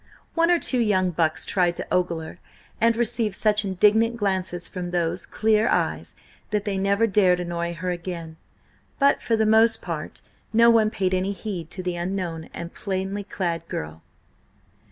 One or two young bucks tried to ogle her, and received such indignant glances from those clear eyes, that they never dared annoy her again, but for the most part no one paid any heed to the unknown and plainly clad girl.